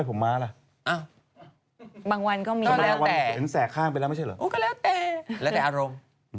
ของแต่ละคนกันมากขนาดนั้น